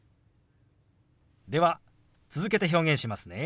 では続けて表現しますね。